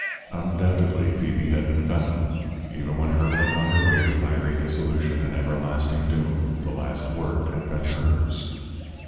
"Undoubtedly Phoebe had been feminine. Even when hurtling on her way to fiery dissolution and everlasting doom, the last word had been hers."